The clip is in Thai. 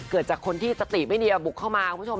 เกิดจากคนที่สติไม่ดีบุกเข้ามาคุณผู้ชม